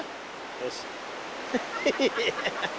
よし。